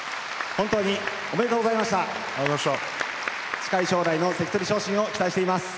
近い将来の関取昇進を期待しています。